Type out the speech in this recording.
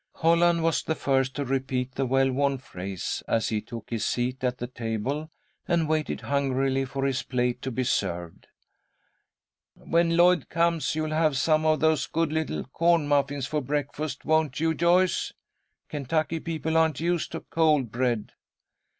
Holland was the first to repeat the well worn phrase, as he took his seat at the table, and waited hungrily for his plate to be served. "When Lloyd comes you'll have some of those good little corn muffins for breakfast, won't you, Joyce? Kentucky people aren't used to cold bread."